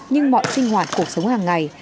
nhưng mọi sinh hoạt cuộc sống hàng ngày